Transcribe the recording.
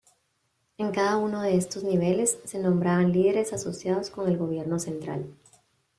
En cada uno de estos niveles, se nombraban líderes asociados con el gobierno central.